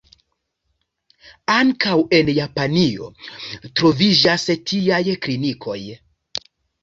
Ankaŭ en Japanio troviĝas tiaj klinikoj.